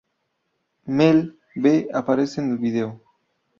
Mel B aparece en el vídeo.